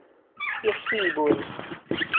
煏戲文